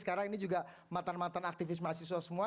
sekarang ini juga matan matan aktivis mahasiswa semua